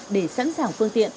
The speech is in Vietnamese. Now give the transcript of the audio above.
để sẵn sàng phương tiện